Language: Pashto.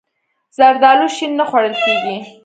زردالو شین نه خوړل کېږي.